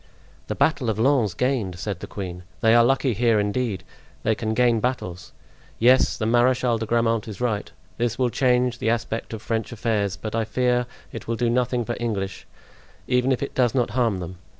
"The battle of Lens gained!" said the queen; "they are lucky here indeed; they can gain battles! Yes, the Marechal de Grammont is right; this will change the aspect of French affairs, but I much fear it will do nothing for English, even if it does not harm them.